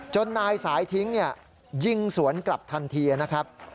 นายสายทิ้งยิงสวนกลับทันทีนะครับ